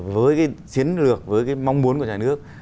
với cái chiến lược với cái mong muốn của nhà nước